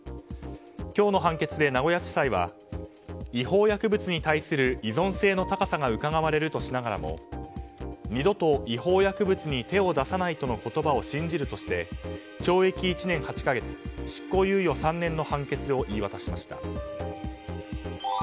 今日の判決で名古屋地裁は違法薬物に対する依存性の高さがうかがわれるとしながらも二度と違法薬物に手を出さないという言葉を信じるとして懲役１年８か月、執行猶予３年の判決を言い渡しました。